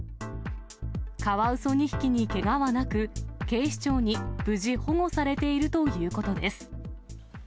カワウソ２匹にけがはなく、警視庁に無事保護されているということです。